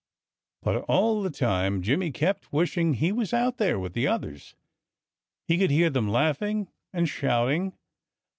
But all the time Jimmy kept wishing he was out there with the others. He could hear them laughing and shouting.